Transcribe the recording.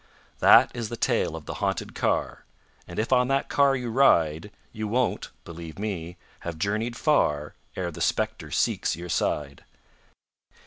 That is the tale of the haunted car; And if on that car you ride You won't, believe me, have journeyed far Ere the spectre seeks your side.